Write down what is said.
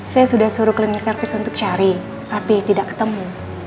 saya sudah suruh cleaning service untuk cari tapi tidak ketemu